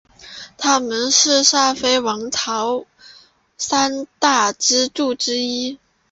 他们是萨非王朝三大支柱之一。